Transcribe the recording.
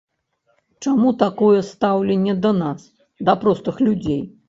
Чаму такое стаўленне да нас, да простых людзей?